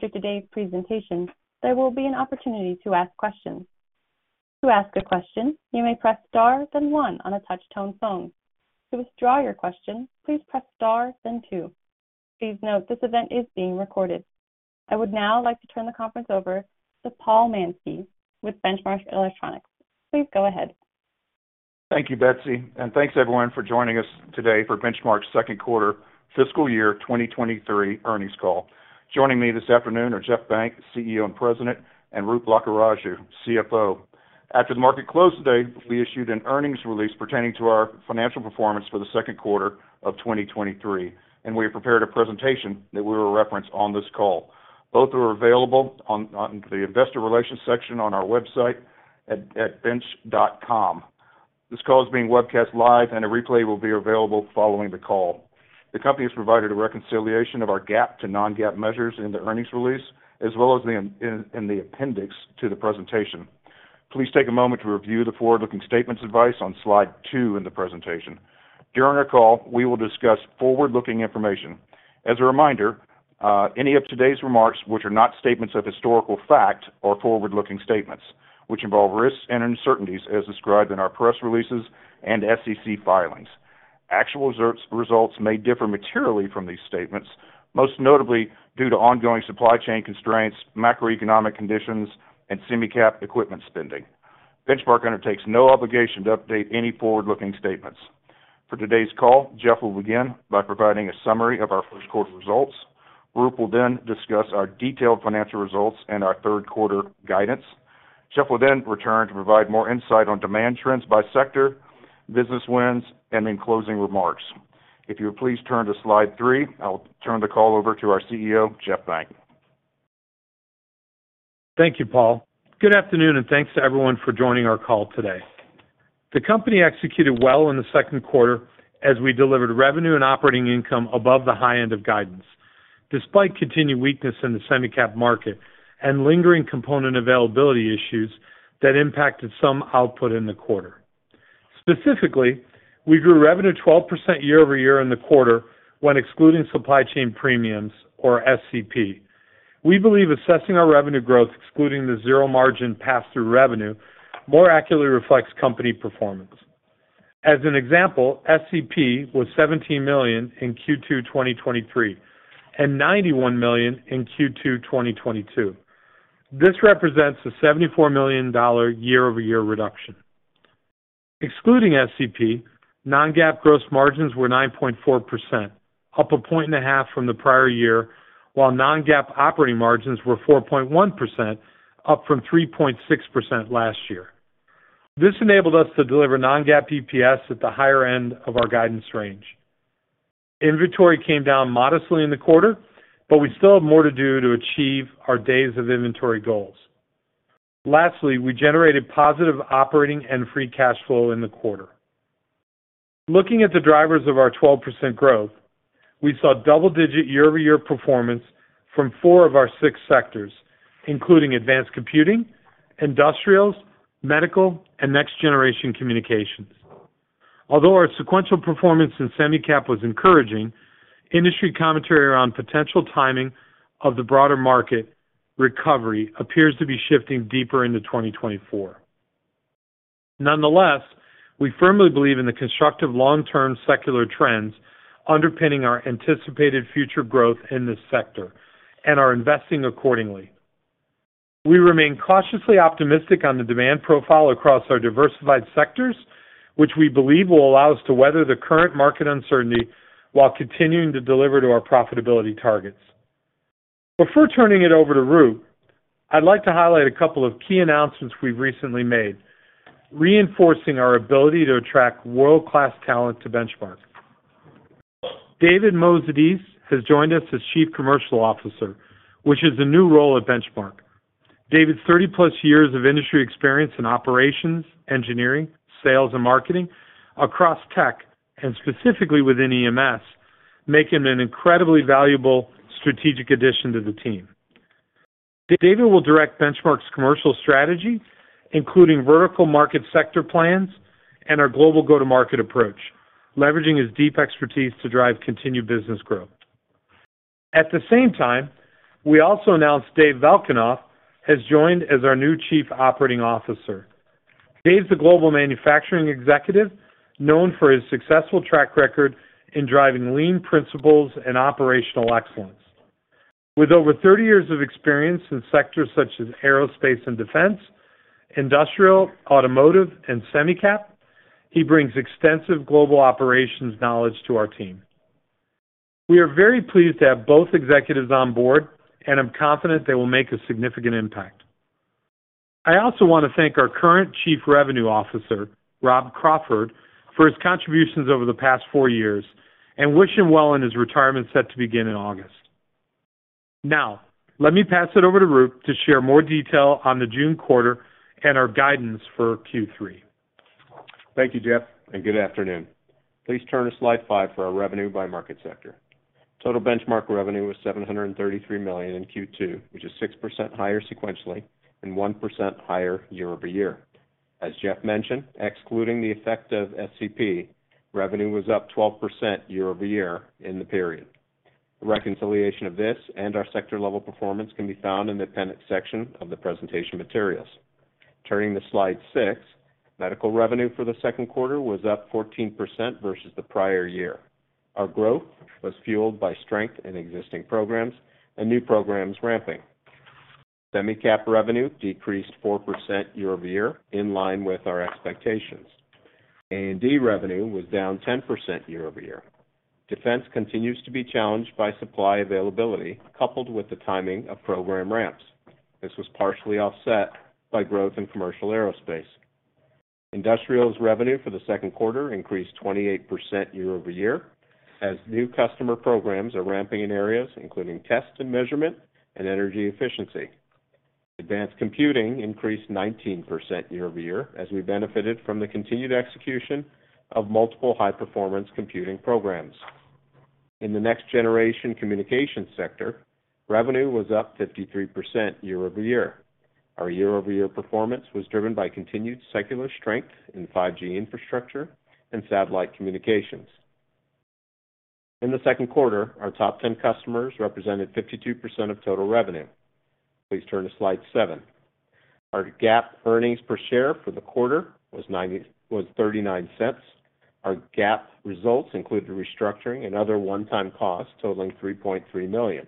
After today's presentation, there will be an opportunity to ask questions. To ask a question, you may press star, then one on a touch-tone phone. To withdraw your question, please press star, then two. Please note, this event is being recorded. I would now like to turn the conference over to Paul Mansky with Benchmark Electronics. Please go ahead. Thank you, Betsy. Thanks everyone for joining us today for Benchmark's second quarter fiscal year 2023 earnings call. Joining me this afternoon are Jeff Benck, CEO and President, and Roop Lakkaraju, CFO. After the market closed today, we issued an earnings release pertaining to our financial performance for the second quarter of 2023, and we have prepared a presentation that we will reference on this call. Both are available on the investor relations section on our website at bench.com. This call is being webcast live, and a replay will be available following the call. The company has provided a reconciliation of our GAAP to non-GAAP measures in the earnings release, as well as in the appendix to the presentation. Please take a moment to review the forward-looking statements advice on slide two in the presentation. During our call, we will discuss forward-looking information. As a reminder, any of today's remarks, which are not statements of historical fact, are forward-looking statements, which involve risks and uncertainties as described in our press releases and SEC filings. Actual results may differ materially from these statements, most notably due to ongoing supply chain constraints, macroeconomic conditions, and semi-cap equipment spending. Benchmark undertakes no obligation to update any forward-looking statements. For today's call, Jeff will begin by providing a summary of our first quarter results. Roop will then discuss our detailed financial results and our third quarter guidance. Jeff will then return to provide more insight on demand trends by sector, business wins, and then closing remarks. If you would please turn to slide three, I'll turn the call over to our CEO, Jeff Benck. Thank you, Paul. Good afternoon, and thanks to everyone for joining our call today. The company executed well in the second quarter as we delivered revenue and operating income above the high end of guidance, despite continued weakness in the semi-cap market and lingering component availability issues that impacted some output in the quarter. Specifically, we grew revenue 12% year-over-year in the quarter, when excluding supply chain premiums or SCP. We believe assessing our revenue growth, excluding the zero margin pass-through revenue, more accurately reflects company performance. As an example, SCP was $17 million in Q2 2023 and $91 million in Q2 2022. This represents a $74 million year-over-year reduction. Excluding SCP, non-GAAP gross margins were 9.4%, up 1.5% from the prior year, while non-GAAP operating margins were 4.1%, up from 3.6% last year. This enabled us to deliver non-GAAP EPS at the higher end of our guidance range. Inventory came down modestly in the quarter, but we still have more to do to achieve our days of inventory goals. Lastly, we generated positive operating and free cash flow in the quarter. Looking at the drivers of our 12% growth, we saw double-digit year-over-year performance from four of our six sectors, including advanced computing, industrials, medical, and next-generation communications. Although our sequential performance in semi-cap was encouraging, industry commentary around potential timing of the broader market recovery appears to be shifting deeper into 2024. Nonetheless, we firmly believe in the constructive long-term secular trends underpinning our anticipated future growth in this sector and are investing accordingly. We remain cautiously optimistic on the demand profile across our diversified sectors, which we believe will allow us to weather the current market uncertainty while continuing to deliver to our profitability targets. Before turning it over to Roop, I'd like to highlight a couple of key announcements we've recently made, reinforcing our ability to attract world-class talent to Benchmark. David Moezidis has joined us as Chief Commercial Officer, which is a new role at Benchmark. David's 30-plus years of industry experience in operations, engineering, sales, and marketing across tech, and specifically within EMS, make him an incredibly valuable strategic addition to the team. David will direct Benchmark's commercial strategy, including vertical market sector plans and our global go-to-market approach, leveraging his deep expertise to drive continued business growth. At the same time, we also announced Dave Valkanoff has joined as our new Chief Operating Officer. Dave's a global manufacturing executive, known for his successful track record in driving lean principles and operational excellence. With over 30 years of experience in sectors such as aerospace and defense, industrial, automotive, and semi-cap, he brings extensive global operations knowledge to our team. We are very pleased to have both executives on board, and I'm confident they will make a significant impact. I also want to thank our current Chief Revenue Officer, Rob Crawford, for his contributions over the past four years and wish him well in his retirement, set to begin in August. Now, let me pass it over to Roop to share more detail on the June quarter and our guidance for Q3. Thank you, Jeff. Good afternoon. Please turn to slide five for our revenue by market sector. Total Benchmark revenue was $733 million in Q2, which is 6% higher sequentially and 1% higher year-over-year. As Jeff mentioned, excluding the effect of SCP, revenue was up 12% year-over-year in the period. The reconciliation of this and our sector-level performance can be found in the appendix section of the presentation materials. Turning to slide six, medical revenue for the second quarter was up 14% versus the prior year. Our growth was fueled by strength in existing programs and new programs ramping. Semicap revenue decreased 4% year-over-year, in line with our expectations. A&D revenue was down 10% year-over-year. Defense continues to be challenged by supply availability, coupled with the timing of program ramps. This was partially offset by growth in commercial aerospace. Industrials revenue for the second quarter increased 28% year-over-year, as new customer programs are ramping in areas including test and measurement and energy efficiency. Advanced computing increased 19% year-over-year, as we benefited from the continued execution of multiple high-performance computing programs. In the next-generation communications sector, revenue was up 53% year-over-year. Our year-over-year performance was driven by continued secular strength in 5G infrastructure and satellite communications. In the second quarter, our top 10 customers represented 52% of total revenue. Please turn to slide seven. Our GAAP earnings per share for the quarter was $0.39. Our GAAP results included restructuring and other one-time costs totaling $3.3 million.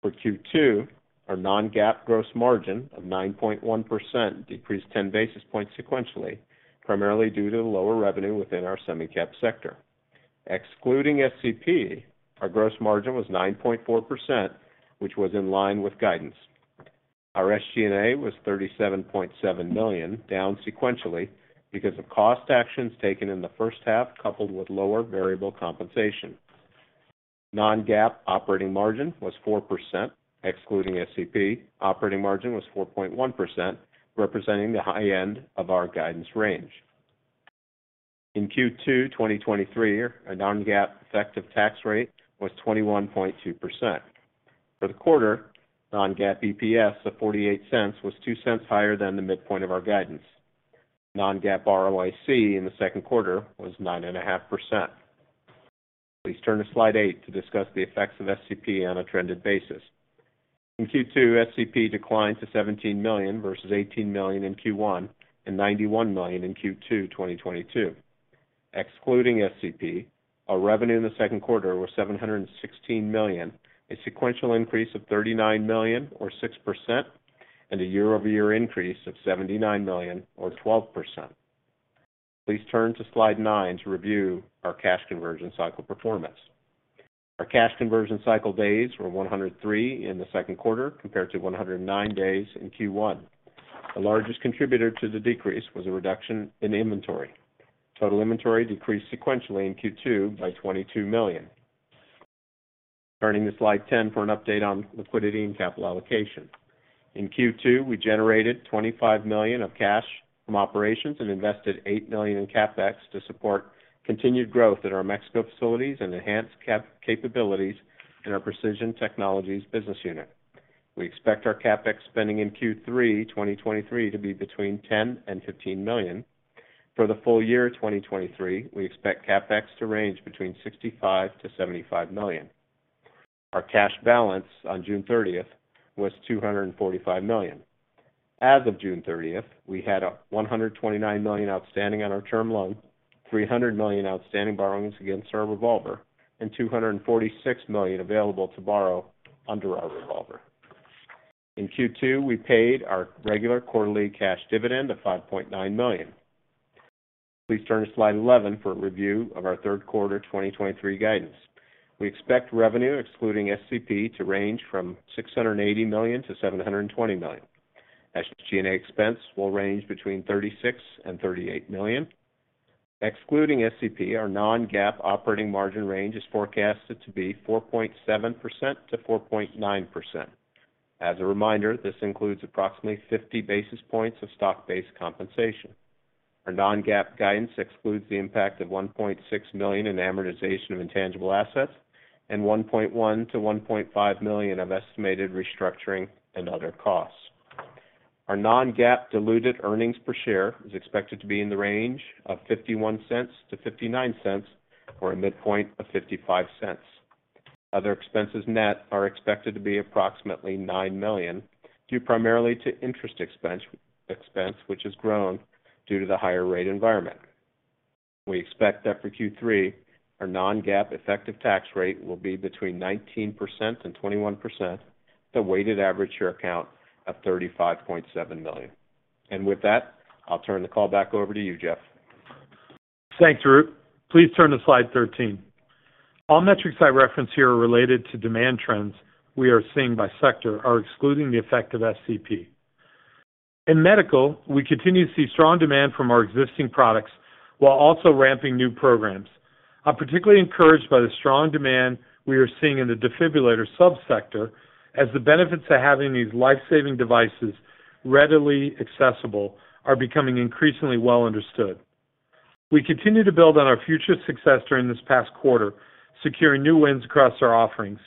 For Q2, our non-GAAP gross margin of 9.1% decreased 10 basis points sequentially, primarily due to the lower revenue within our semi-cap sector. Excluding SCP, our gross margin was 9.4%, which was in line with guidance. Our SG&A was $37.7 million, down sequentially because of cost actions taken in the first half, coupled with lower variable compensation. Non-GAAP operating margin was 4%. Excluding SCP, operating margin was 4.1%, representing the high end of our guidance range. In Q2 2023, our non-GAAP effective tax rate was 21.2%. For the quarter, non-GAAP EPS of $0.48 was $0.02 higher than the midpoint of our guidance. Non-GAAP ROIC in the second quarter was 9.5%. Please turn to slide eight to discuss the effects of SCP on a trended basis. In Q2, SCP declined to $17 million versus $18 million in Q1 and $91 million in Q2 2022. Excluding SCP, our revenue in the second quarter was $716 million, a sequential increase of $39 million or 6%, and a year-over-year increase of $79 million or 12%. Please turn to slide nine to review our cash conversion cycle performance. Our cash conversion cycle days were 103 in the second quarter, compared to 109 days in Q1. The largest contributor to the decrease was a reduction in inventory. Total inventory decreased sequentially in Q2 by $22 million. Turning to slide 10 for an update on liquidity and capital allocation. In Q2, we generated $25 million of cash from operations and invested $8 million in CapEx to support continued growth in our Mexico facilities and enhance capabilities in our Precision Technologies business unit. We expect our CapEx spending in Q3 2023 to be between $10 million and $15 million. For the full year 2023, we expect CapEx to range between $65 million-$75 million. Our cash balance on June 30th was $245 million. As of June 30th, we had $129 million outstanding on our term loan, $300 million outstanding borrowings against our revolver, and $246 million available to borrow under our revolver. In Q2, we paid our regular quarterly cash dividend of $5.9 million. Please turn to slide 11 for a review of our third quarter 2023 guidance. We expect revenue, excluding SCP, to range from $680 million-$720 million. SG&A expense will range between $36 million and $38 million. Excluding SCP, our non-GAAP operating margin range is forecasted to be 4.7%-4.9%. As a reminder, this includes approximately 50 basis points of stock-based compensation. Our non-GAAP guidance excludes the impact of $1.6 million in amortization of intangible assets and $1.1 million-$1.5 million of estimated restructuring and other costs. Our non-GAAP diluted earnings per share is expected to be in the range of $0.51-$0.59, or a midpoint of $0.55. Other expenses net are expected to be approximately $9 million, due primarily to interest expense, expense, which has grown due to the higher rate environment. We expect that for Q3, our non-GAAP effective tax rate will be between 19% and 21%, the weighted average share count of 35.7 million. With that, I'll turn the call back over to you, Jeff. Thanks, Roop. Please turn to slide 13. All metrics I reference here are related to demand trends we are seeing by sector are excluding the effect of SCP. In medical, we continue to see strong demand from our existing products while also ramping new programs. I'm particularly encouraged by the strong demand we are seeing in the defibrillator subsector, as the benefits to having these life-saving devices readily accessible are becoming increasingly well understood.... We continue to build on our future success during this past quarter, securing new wins across our offerings.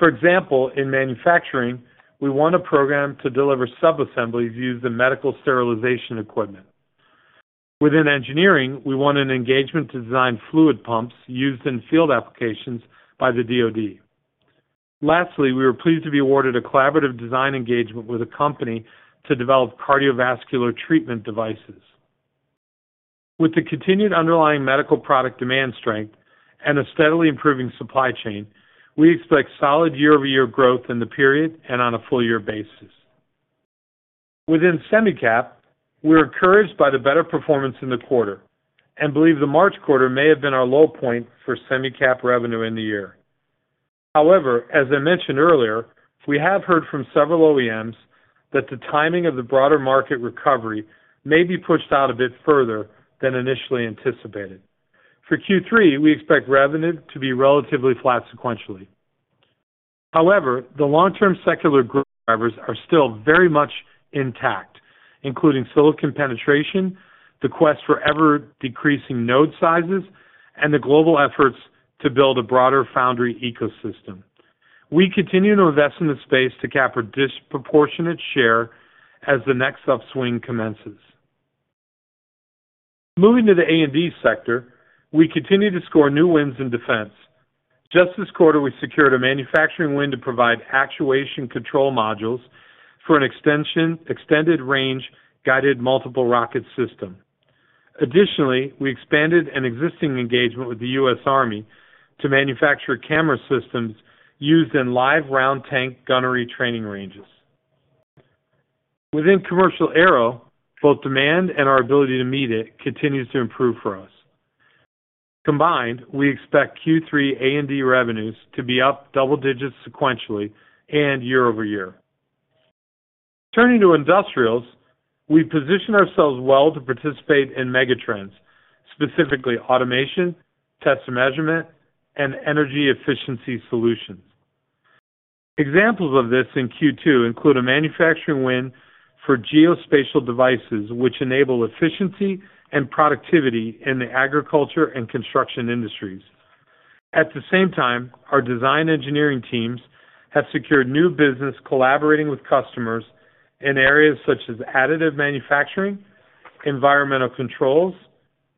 For example, in manufacturing, we won a program to deliver subassemblies used in medical sterilization equipment. Within engineering, we won an engagement to design fluid pumps used in field applications by the DoD. Lastly, we were pleased to be awarded a collaborative design engagement with a company to develop cardiovascular treatment devices. With the continued underlying medical product demand strength and a steadily improving supply chain, we expect solid year-over-year growth in the period and on a full year basis. Within semi-cap, we're encouraged by the better performance in the quarter and believe the March quarter may have been our low point for semi-cap revenue in the year. However, as I mentioned earlier, we have heard from several OEMs that the timing of the broader market recovery may be pushed out a bit further than initially anticipated. For Q3, we expect revenue to be relatively flat sequentially. However, the long-term secular growth drivers are still very much intact, including silicon penetration, the quest for ever-decreasing node sizes, and the global efforts to build a broader foundry ecosystem. We continue to invest in the space to capture disproportionate share as the next upswing commences. Moving to the A&D sector, we continue to score new wins in defense. Just this quarter, we secured a manufacturing win to provide actuation control modules for an Extended-Range Guided Multiple Rocket System. Additionally, we expanded an existing engagement with the US Army to manufacture camera systems used in live round tank gunnery training ranges. Within commercial aero, both demand and our ability to meet it continues to improve for us. Combined, we expect Q3 A&D revenues to be up double digits sequentially and year-over-year. Turning to industrials, we position ourselves well to participate in megatrends, specifically automation, test measurement, and energy efficiency solutions. Examples of this in Q2 include a manufacturing win for geospatial devices, which enable efficiency and productivity in the agriculture and construction industries. At the same time, our design engineering teams have secured new business, collaborating with customers in areas such as additive manufacturing, environmental controls,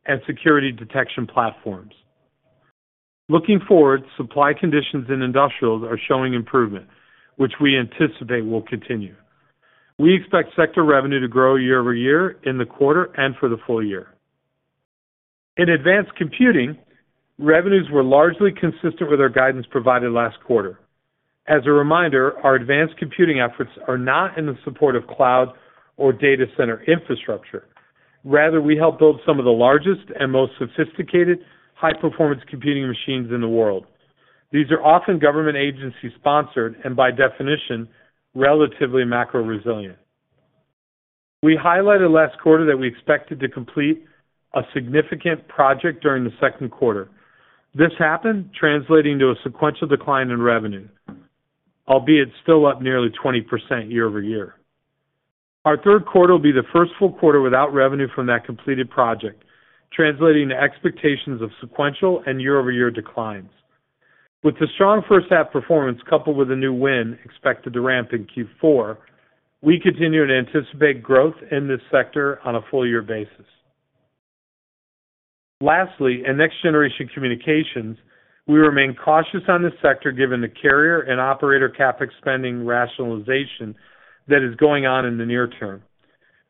and security detection platforms. Looking forward, supply conditions in industrials are showing improvement, which we anticipate will continue. We expect sector revenue to grow year-over-year in the quarter and for the full year. In advanced computing, revenues were largely consistent with our guidance provided last quarter. As a reminder, our advanced computing efforts are not in the support of cloud or data center infrastructure. Rather, we help build some of the largest and most sophisticated high-performance computing machines in the world. These are often government agency-sponsored and, by definition, relatively macro-resilient. We highlighted last quarter that we expected to complete a significant project during the second quarter. This happened, translating to a sequential decline in revenue, albeit still up nearly 20% year-over-year. Our third quarter will be the first full quarter without revenue from that completed project, translating to expectations of sequential and year-over-year declines. With the strong first half performance, coupled with a new win expected to ramp in Q4, we continue to anticipate growth in this sector on a full year basis. Lastly, in next-generation communications, we remain cautious on this sector, given the carrier and operator CapEx spending rationalization that is going on in the near term.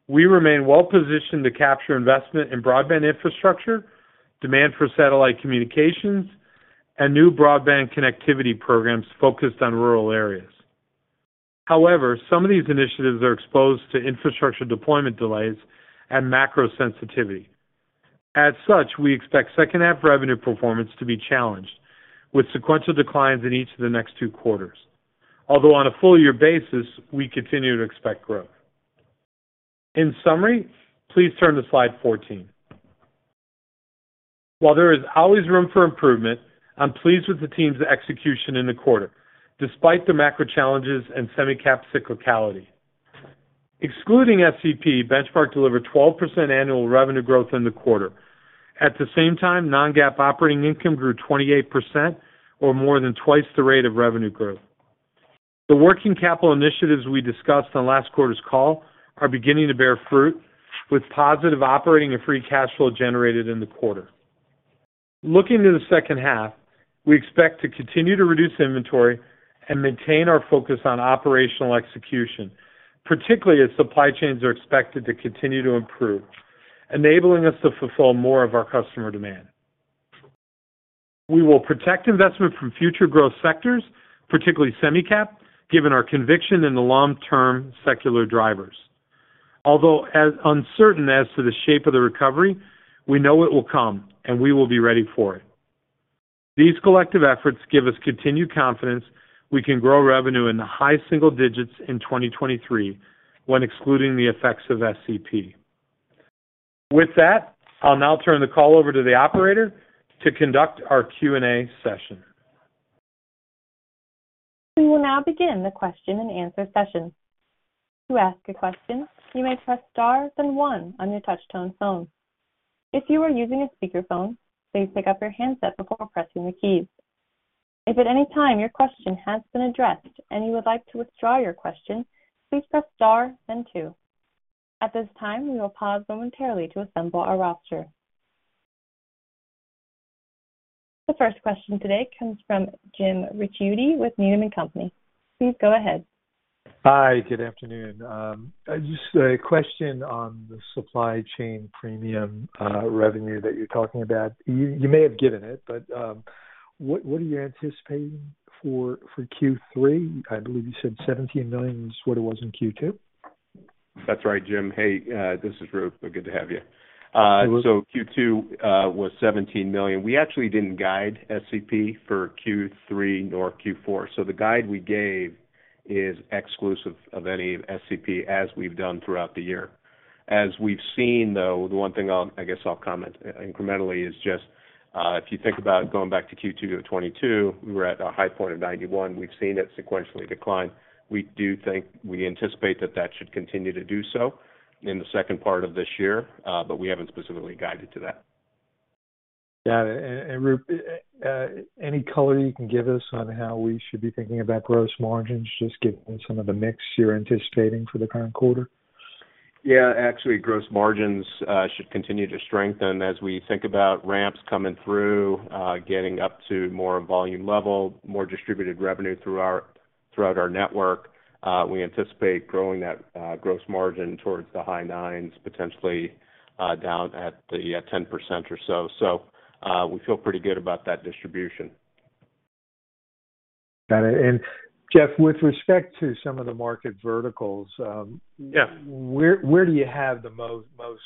We remain well positioned to capture investment in broadband infrastructure, demand for satellite communications, and new broadband connectivity programs focused on rural areas. However, some of these initiatives are exposed to infrastructure deployment delays and macro sensitivity. As such, we expect second half revenue performance to be challenged, with sequential declines in each of the next two quarters. Although on a full year basis, we continue to expect growth. In summary, please turn to slide 14. While there is always room for improvement, I'm pleased with the team's execution in the quarter, despite the macro challenges and semi-cap cyclicality. Excluding SCP, Benchmark delivered 12% annual revenue growth in the quarter. At the same time, non-GAAP operating income grew 28% or more than twice the rate of revenue growth. The working capital initiatives we discussed on last quarter's call are beginning to bear fruit, with positive operating and free cash flow generated in the quarter. Looking to the second half, we expect to continue to reduce inventory and maintain our focus on operational execution, particularly as supply chains are expected to continue to improve, enabling us to fulfill more of our customer demand. We will protect investment from future growth sectors, particularly semi-cap, given our conviction in the long-term secular drivers. Although as uncertain as to the shape of the recovery, we know it will come, and we will be ready for it. These collective efforts give us continued confidence we can grow revenue in the high single digits in 2023, when excluding the effects of SCP. With that, I'll now turn the call over to the operator to conduct our Q&A session. We'll now begin the question and answer session. To ask a question, you may press star then one on your touchtone phone. If you are using a speakerphone, please pick up your handset before pressing the keys. If at any time your question has been addressed and you would like to withdraw your question, please press star then two. At this time, we will pause momentarily to assemble our roster. The first question today comes from Jim Ricchiuti with Needham & Company. Please go ahead. Hi, good afternoon. Just a question on the supply chain premium revenue that you're talking about. You, you may have given it, but what, what are you anticipating for Q3? I believe you said $17 million is what it was in Q2. That's right, Jim. Hey, this is Roop. Good to have you. Q2 was $17 million. We actually didn't guide SCP for Q3 nor Q4. The guide we gave is exclusive of any SCP, as we've done throughout the year. As we've seen, though, the one thing I guess I'll comment incrementally is just, if you think about going back to Q2 of 2022, we were at a high point of 91. We've seen it sequentially decline. We do think we anticipate that that should continue to do so in the second part of this year. We haven't specifically guided to that. Got it. Roop, any color you can give us on how we should be thinking about gross margins, just given some of the mix you're anticipating for the current quarter? Yeah, actually, gross margins should continue to strengthen as we think about ramps coming through, getting up to more volume level, more distributed revenue throughout our network. We anticipate growing that gross margin towards the high nines, potentially, down at the 10% or so. We feel pretty good about that distribution. Got it. Jeff, with respect to some of the market verticals. Yeah. Where, where do you have the most confidence?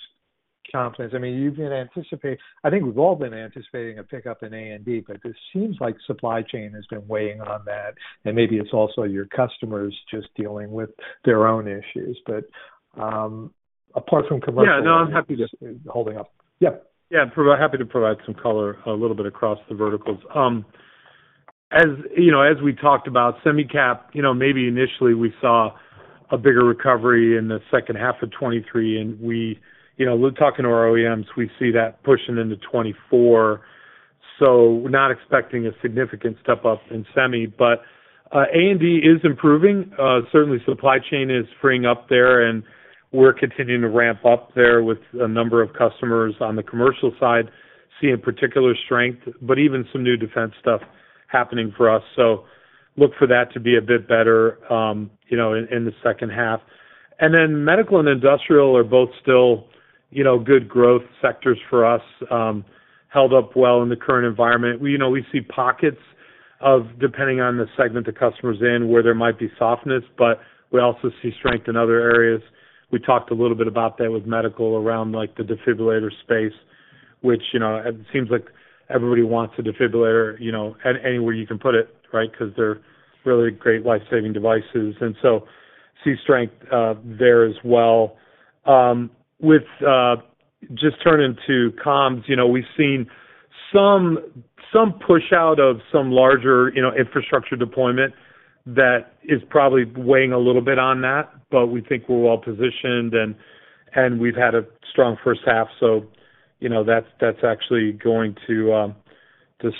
I mean, you've been anticipating, I think we've all been anticipating a pickup in A&D, but it seems like supply chain has been weighing on that, and maybe it's also your customers just dealing with their own issues. Apart from commercial. Yeah, no, I'm happy to. Holding up. Yeah. Yeah, I'm happy to provide some color a little bit across the verticals. As you know, as we talked about semi-cap, you know, maybe initially we saw a bigger recovery in the second half of 2023, and we, you know, talking to our OEMs, we see that pushing into 2024. We're not expecting a significant step up in semi, but A&D is improving. Certainly supply chain is freeing up there, and we're continuing to ramp up there with a number of customers on the commercial side, seeing particular strength, but even some new defense stuff happening for us. Look for that to be a bit better, you know, in, in the second half. Then medical and industrial are both still, you know, good growth sectors for us. Held up well in the current environment. We know we see pockets of depending on the segment, the customers in, where there might be softness, but we also see strength in other areas. We talked a little bit about that with medical around, like the defibrillator space, which, you know, it seems like everybody wants a defibrillator, you know, anywhere you can put it, right? Because they're really great life-saving devices, and so see strength there as well. With just turning to comms, you know, we've seen some, some push out of some larger, you know, infrastructure deployment that is probably weighing a little bit on that, but we think we're well positioned, and, and we've had a strong first half, so you know, that's, that's actually going to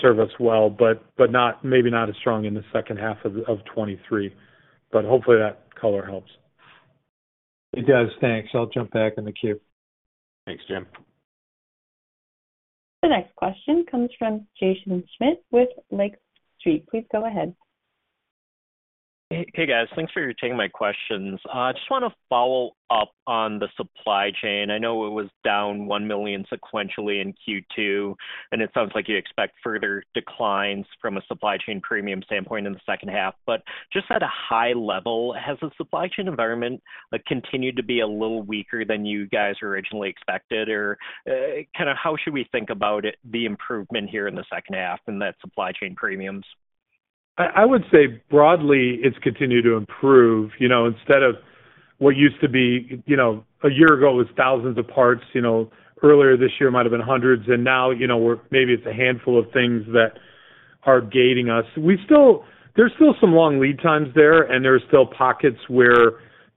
serve us well, but, but not, maybe not as strong in the second half of 2023, but hopefully that color helps. It does. Thanks. I'll jump back in the queue. Thanks, Jim. The next question comes from Jaeson Schmidt with Lake Street. Please go ahead. Hey, guys. Thanks for taking my questions. I just want to follow up on the supply chain. I know it was down $1 million sequentially in Q2, and it sounds like you expect further declines from a supply chain premium standpoint in the second half. Just at a high level, has the supply chain environment continued to be a little weaker than you guys originally expected? Or, kind of how should we think about it, the improvement here in the second half and that supply chain premiums? I, I would say broadly, it's continued to improve. You know, instead of what used to be, you know, a year ago, was thousands of parts, you know, earlier this year might have been hundreds, and now, you know, we're maybe it's a handful of things that are gating us. There's still some long lead times there, and there are still pockets where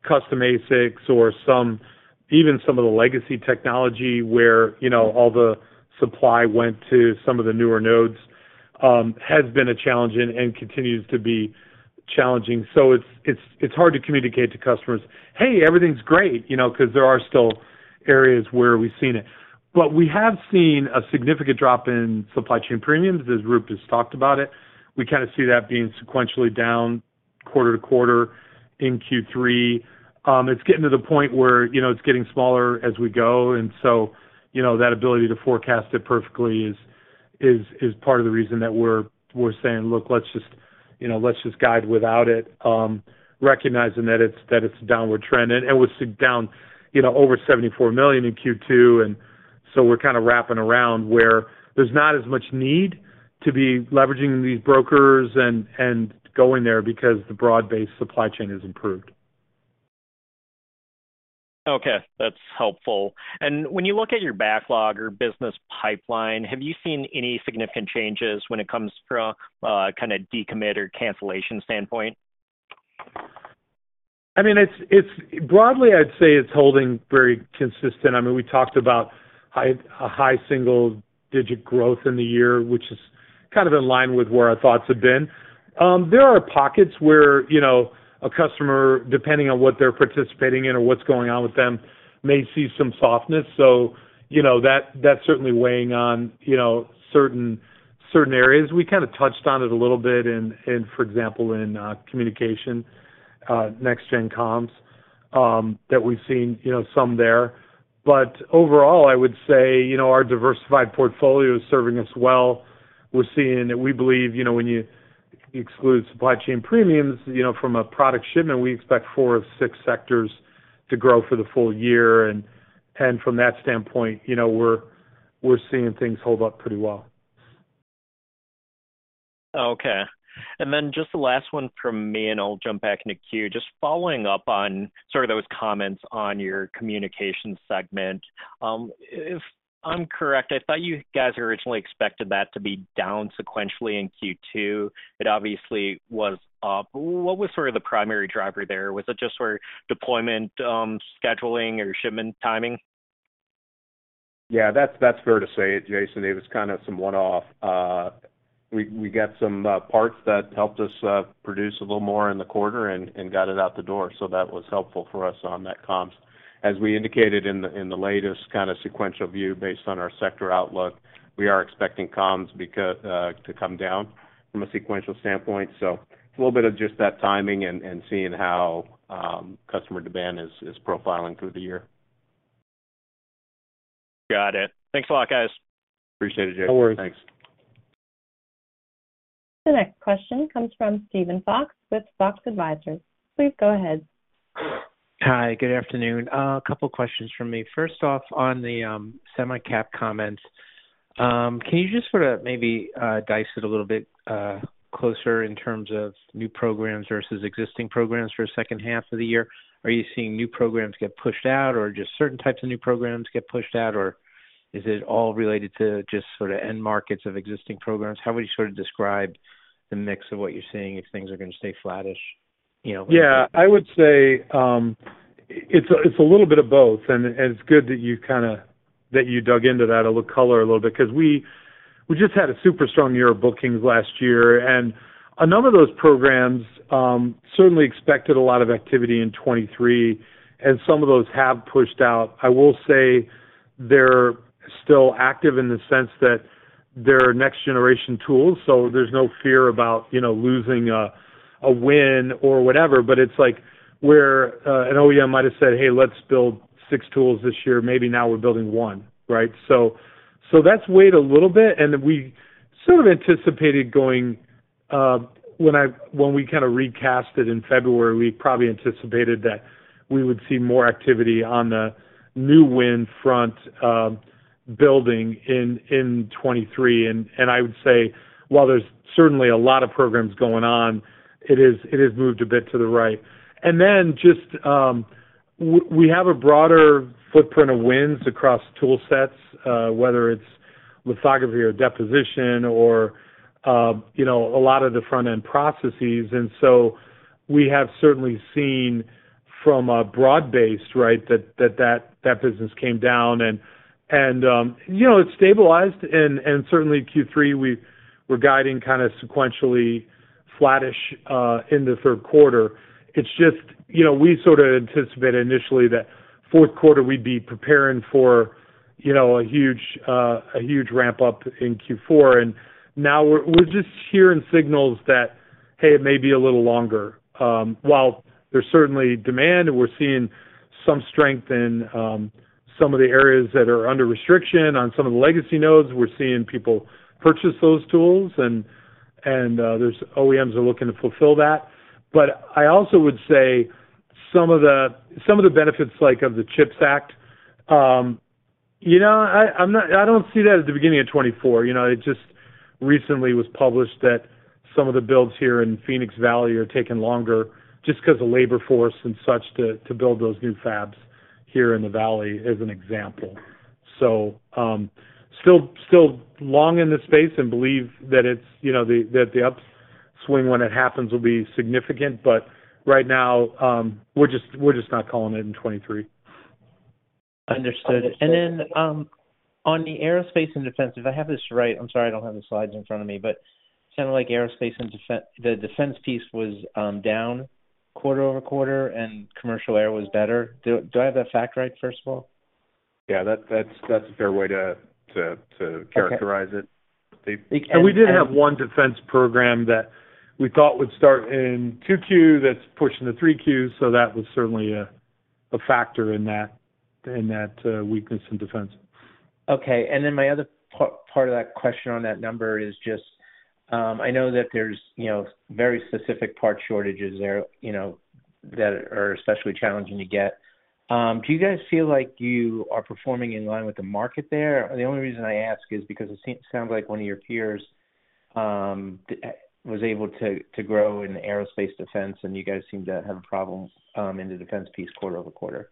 custom ASICs or some, even some of the legacy technology where, you know, all the supply went to some of the newer nodes, has been a challenging and continues to be challenging. It's, it's, it's hard to communicate to customers, "Hey, everything's great," you know, because there are still areas where we've seen it. We have seen a significant drop in supply chain premiums, as Roop just talked about it. We kind of see that being sequentially down quarter-to-quarter in Q3. It's getting to the point where, you know, it's getting smaller as we go, and so, you know, that ability to forecast it perfectly is, is, is part of the reason that we're, we're saying: Look, let's just, you know, let's just guide without it, recognizing that it's, that it's a downward trend, and it was down, you know, over $74 million in Q2. We're kind of wrapping around where there's not as much need to be leveraging these brokers and, and going there because the broad-based supply chain has improved. Okay, that's helpful. When you look at your backlog or business pipeline, have you seen any significant changes when it comes from, kind of decommit or cancellation standpoint? I mean, broadly, I'd say it's holding very consistent. I mean, we talked about high single-digit growth in the year, which is kind of in line with where our thoughts have been. There are pockets where, you know, a customer, depending on what they're participating in or what's going on with them, may see some softness. You know, that's certainly weighing on, you know, certain areas. We kind of touched on it a little bit in, for example, in communication, next gen comms, that we've seen, you know, some there. Overall, I would say, you know, our diversified portfolio is serving us well. We're seeing, we believe, you know, when you exclude supply chain premiums, you know, from a product shipment, we expect four of six sectors to grow for the full year. From that standpoint, you know, we're seeing things hold up pretty well. Okay. Then just the last one from me, and I'll jump back in the queue. Just following up on sort of those comments on your communication segment. If I'm correct, I thought you guys originally expected that to be down sequentially in Q2. It obviously was up. What was sort of the primary driver there? Was it just sort of deployment, scheduling, or shipment timing? Yeah, that's, that's fair to say, Jaeson. It was kind of some one-off. We, we got some parts that helped us produce a little more in the quarter and, and got it out the door, so that was helpful for us on that comms. As we indicated in the, in the latest kind of sequential view, based on our sector outlook, we are expecting comms to come down from a sequential standpoint. It's a little bit of just that timing and, and seeing how customer demand is, is profiling through the year. Got it. Thanks a lot, guys. Appreciate it, Jaeson. No worries. Thanks. The next question comes from Stephen Fox with Fox Advisors. Please go ahead. Hi, good afternoon. A couple questions from me. First off, on the, semi-cap comments, can you just sort of maybe, dice it a little bit, closer in terms of new programs versus existing programs for the second half of the year? Are you seeing new programs get pushed out, or just certain types of new programs get pushed out, or is it all related to just sort of end markets of existing programs? How would you sort of describe the mix of what you're seeing, if things are going to stay flattish, you know? Yeah, I would say, it's a little bit of both, and it's good that you kind of, that you dug into that a little color a little bit, because we, we just had a super strong year of bookings last year. A number of those programs, certainly expected a lot of activity in 2023, and some of those have pushed out. I will say they're still active in the sense that they're next generation tools, so there's no fear about, you know, losing a win or whatever. It's like where an OEM might have said, "Hey, let's build six tools this year." Maybe now we're building one, right? That's weighed a little bit, and we sort of anticipated going... When we kind of recasted in February, we probably anticipated that we would see more activity on the new win front, building in 2023. I would say, while there's certainly a lot of programs going on, it has moved a bit to the right. Then just, we have a broader footprint of wins across tool sets, whether it's lithography or deposition or, you know, a lot of the front-end processes. So we have certainly seen from a broad base, right, that, that, that business came down and, and, you know, it stabilized. Certainly in Q3, we were guiding kind of sequentially flattish in the third quarter. It's just, you know, we sort of anticipated initially that fourth quarter we'd be preparing for, you know, a huge, a huge ramp-up in Q4, and now we're, we're just hearing signals that, hey, it may be a little longer. While there's certainly demand, and we're seeing some strength in, some of the areas that are under restriction, on some of the legacy nodes, we're seeing people purchase those tools, and, and, there's OEMs are looking to fulfill that. I also would say some of the, some of the benefits, like of the CHIPS Act, you know, I, I'm not I don't see that at the beginning of 2024. You know, it just recently was published that some of the builds here in Phoenix Valley are taking longer just because the labor force and such, to, to build those new fabs here in the valley, as an example. Still, still long in this space and believe that it's, you know, the, that the upswing, when it happens, will be significant, but right now, we're just, we're just not calling it in 2023. Understood. On the aerospace and defense, if I have this right, I'm sorry, I don't have the slides in front of me, sounded like aerospace and defense, the defense piece was down quarter-over-quarter, commercial air was better. Do I have that fact right, first of all? Yeah, that, that's, that's a fair way to. Okay. Characterize it. We did have one defense program that we thought would start in 2Q that's pushing to 3Q, so that was certainly a, a factor in that, in that weakness in defense. Okay, and then my other part of that question on that number is just, I know that there's, you know, very specific part shortages there, you know, that are especially challenging to get. Do you guys feel like you are performing in line with the market there? The only reason I ask is because it sounds like one of your peers, was able to, to grow in aerospace defense, and you guys seem to have problems, in the defense piece quarter-over-quarter.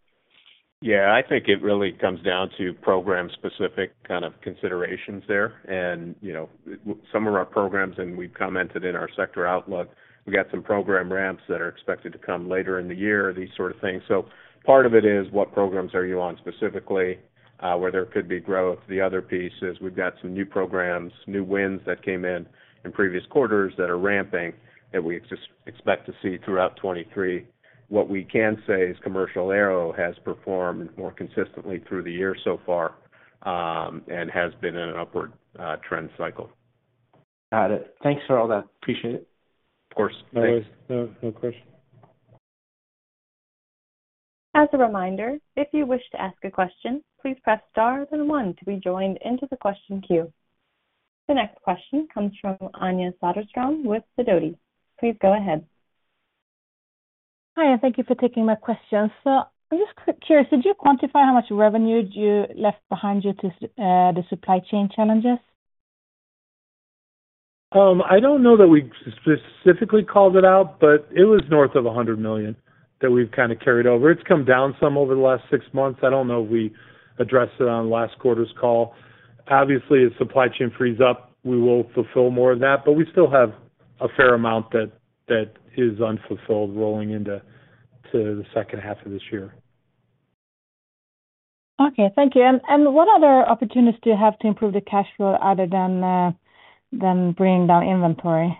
Yeah, I think it really comes down to program-specific kind of considerations there. You know, some of our programs, and we've commented in our sector outlook, we've got some program ramps that are expected to come later in the year, these sort of things. Part of it is what programs are you on specifically, where there could be growth. The other piece is we've got some new programs, new wins that came in in previous quarters that are ramping, that we expect to see throughout 2023. What we can say is commercial aero has performed more consistently through the year so far, and has been in an upward trend cycle. Got it. Thanks for all that. Appreciate it. Of course. Always. No, no question. As a reminder, if you wish to ask a question, please press star then one to be joined into the question queue. The next question comes from Anja Soderstrom with Sidoti. Please go ahead. Hi, thank you for taking my question. I'm just curious, did you quantify how much revenue you left behind you to the supply chain challenges? I don't know that we specifically called it out, but it was north of $100 million that we've kind of carried over. It's come down some over the last six months. I don't know if we addressed it on last quarter's call. Obviously, as supply chain frees up, we will fulfill more of that, but we still have a fair amount that, that is unfulfilled rolling into to the second half of this year. Okay. Thank you. What other opportunities do you have to improve the cash flow other than bringing down inventory?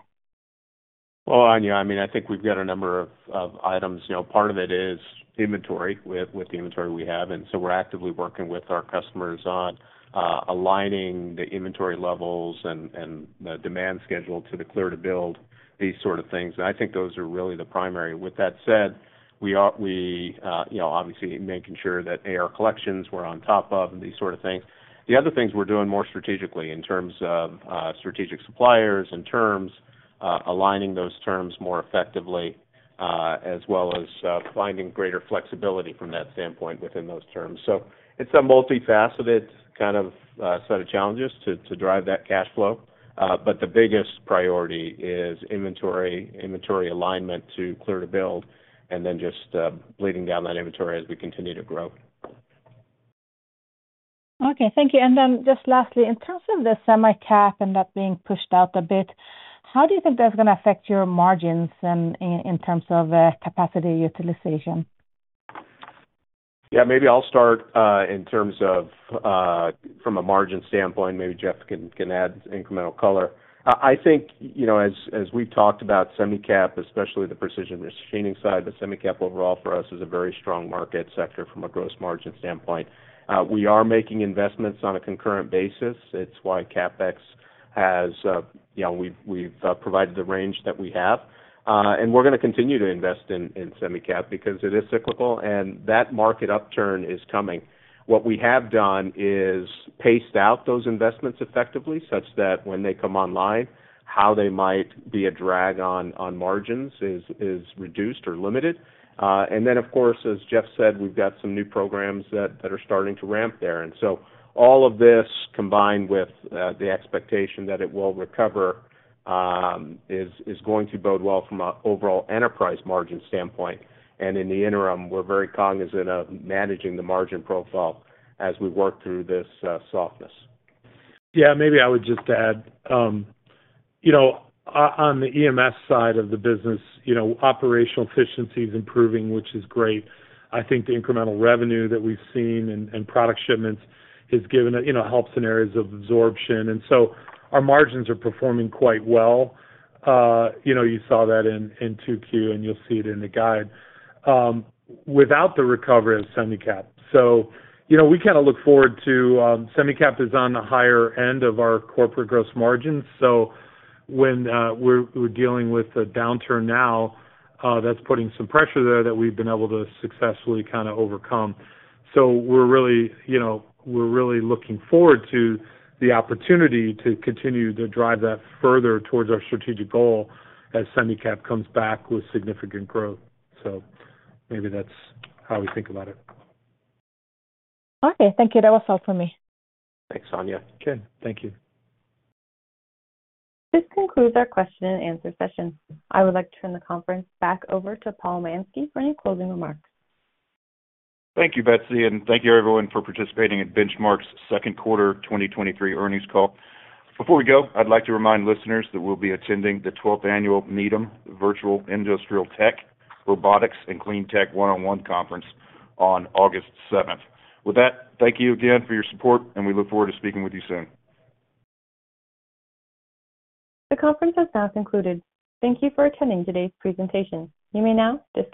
Well, Anja, I mean, I think we've got a number of, of items. You know, part of it is inventory, with, with the inventory we have, so we're actively working with our customers on, aligning the inventory levels and, and the demand schedule to the clear to build, these sort of things. I think those are really the primary. With that said, we, you know, obviously making sure that AR collections, we're on top of and these sort of things. The other things we're doing more strategically in terms of, strategic suppliers and terms, aligning those terms more effectively, as well as, finding greater flexibility from that standpoint within those terms. It's a multifaceted kind of, set of challenges to, to drive that cash flow. The biggest priority is inventory, inventory alignment to clear to build, and then just bleeding down that inventory as we continue to grow. Okay. Thank you. Then just lastly, in terms of the semi-cap and that being pushed out a bit, how do you think that's gonna affect your margins in, in terms of capacity utilization? Yeah, maybe I'll start, in terms of, from a margin standpoint, maybe Jeff can, can add incremental color. I, I think, you know, as, as we've talked about semi-cap, especially the precision machining side, the semi-cap overall for us is a very strong market sector from a gross margin standpoint. We are making investments on a concurrent basis. It's why CapEx has, you know, we've, we've, provided the range that we have. We're gonna continue to invest in, in semi-cap because it is cyclical, and that market upturn is coming. What we have done is paced out those investments effectively, such that when they come online, how they might be a drag on, on margins is, is reduced or limited. Of course, as Jeff said, we've got some new programs that, that are starting to ramp there. All of this, combined with the expectation that it will recover, is going to bode well from an overall enterprise margin standpoint. In the interim, we're very cognizant of managing the margin profile as we work through this softness. Yeah, maybe I would just add, you know, on the EMS side of the business, you know, operational efficiency is improving, which is great. I think the incremental revenue that we've seen and, and product shipments has given a, you know, helps in areas of absorption, and so our margins are performing quite well. You know, you saw that in, in 2Q, and you'll see it in the guide, without the recovery of semi-cap. You know, we kind of look forward to, semi-cap is on the higher end of our corporate gross margin. When we're, we're dealing with a downturn now, that's putting some pressure there that we've been able to successfully kind of overcome. We're really, you know, we're really looking forward to the opportunity to continue to drive that further towards our strategic goal as semi-cap comes back with significant growth. Maybe that's how we think about it. Okay. Thank you. That was all for me. Thanks, Anja. Okay. Thank you. This concludes our question and answer session. I would like to turn the conference back over to Paul Mansky for any closing remarks. Thank you, Betsy, and thank you, everyone, for participating in Benchmark's second quarter 2023 earnings call. Before we go, I'd like to remind listeners that we'll be attending the 12th Annual Needham Virtual Industrial Tech, Robotics, and Clean Tech one-on-one conference on August 7th. With that, thank you again for your support, and we look forward to speaking with you soon. The conference is now concluded. Thank you for attending today's presentation. You may now disconnect.